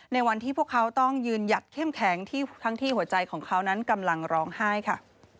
ในวันที่พวกเขาต้องยืนหยัดเข้มแข็งทั้งที่หัวใจของเขานั้นกำลังร้องไห้ค่ะ